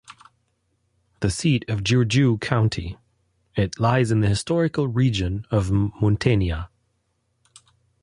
The seat of Giurgiu County, it lies in the historical region of Muntenia.